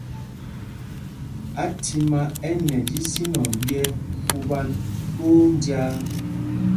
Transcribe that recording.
Athimá ɛ nɛnj isínɔŋ ɓyɛ́ fupan twóó njāā.